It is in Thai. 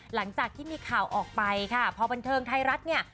หลังจากที่มีข่าวออกไปค่ะพอบันเทิงไทยรัฐเนี่ย